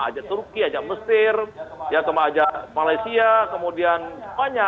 ajak turki ajak mesir ajak malaysia kemudian semuanya